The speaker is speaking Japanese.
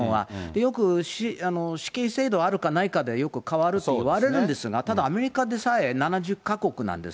よく死刑制度あるかないかで、よく変わるといわれるんですが、ただ、アメリカでさえ７０か国なんです。